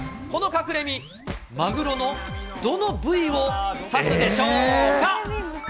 このカクレミ、マグロのどの部位を指すでしょうか？